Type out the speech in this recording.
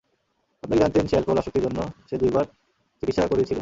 আপনি কী জানতেন সে অ্যালকোহল আসক্তির জন্য সে দুইবার চিকিৎসা করিয়েছিল?